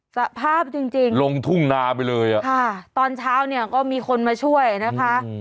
สภาพจริงลงทุ่งนาไปเลยตอนเช้าก็มีคนมาช่วยนะคะ